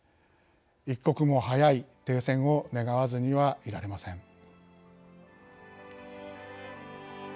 一刻も早い停戦を願わずにはいられません。